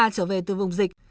người từ vùng dịch